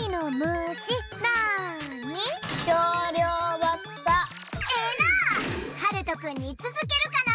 ええなはるとくんにつづけるかな？